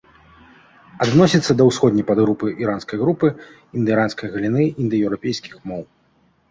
Адносіцца да усходняй падгрупы іранскай групы індаіранскай галіны індаеўрапейскіх моў.